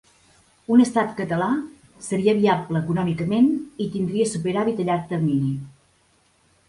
Un estat català seria viable econòmicament i tindria superàvit a llarg termini.